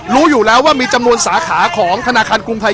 รู้อยู่แล้วว่ามีจำนวนสาขาของธนาคารกรุงไทย